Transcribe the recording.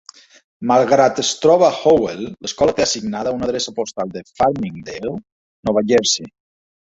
Malgrat es troba a Howell, l'escola té assignada una adreça postal de Farmingdale, Nova Jersey.